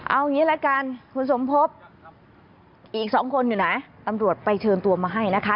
เอางี้ละกันคุณสมภพอีก๒คนอยู่ไหนตำรวจไปเชิญตัวมาให้นะคะ